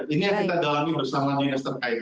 ini yang kita dalami bersama dinas terkait